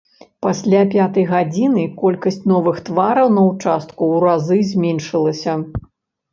Пасля пятай гадзіны колькасць новых твараў на ўчастку ў разы зменшылася.